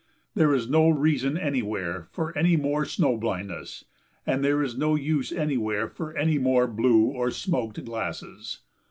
There is no reason anywhere for any more snow blindness, and there is no use anywhere for any more blue or smoked glasses.